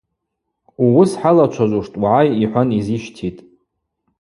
Ууыс хӏалачважвуштӏ, угӏай, — йхӏван йзищтитӏ.